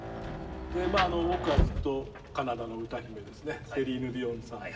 でまあ僕はずっとカナダの歌姫ですねセリーヌ・ディオンさん。